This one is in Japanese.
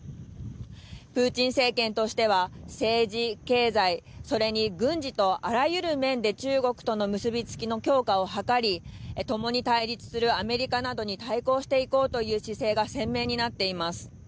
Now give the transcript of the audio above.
プーチン政権としては政治、経済、それに軍事とあらゆる面で中国との結び付きの強化を図りともに対立するアメリカなどに対抗していこうという姿勢が鮮明になっています。